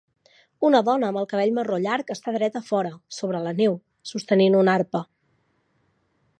Una dona amb el cabell marró llarg està dreta fora, sobre la neu, sostenint una arpa.